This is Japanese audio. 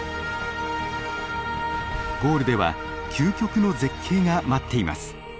ゴールでは究極の絶景が待っています。